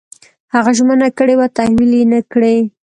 هغه ژمنه کړې وه تحویل یې نه کړې.